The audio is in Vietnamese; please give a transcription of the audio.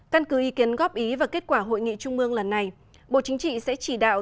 căn cứ ý kiến góp ý và kết quả hội nghị trung mương lần này bộ chính trị sẽ chỉ đạo